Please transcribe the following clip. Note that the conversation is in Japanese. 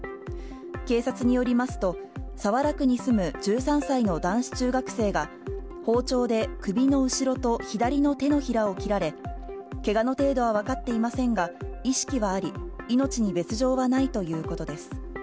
警察によりますと、早良区に住む１３歳の男子中学生が包丁で首の後ろと左の手のひらを切られ、けがの程度は分かっていませんが、意識はあり、命に別状はないということです。